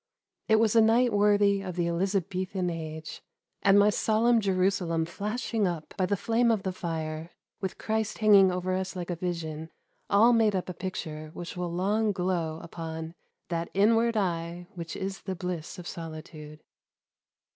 It was a night worthy of the Elizabethan age, and my solemn Jerusalem flashing up by the flame of the fire, with Christ hanging over us like a vision, all made up a picture which will long glow upon "that inward eye Which is the bliss of solitude."